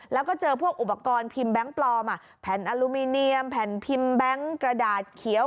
แล้วก็เจอพวกอุปกรณ์พิมพ์แบงค์ปลอมแผ่นอลูมิเนียมแผ่นพิมพ์แบงค์กระดาษเขียว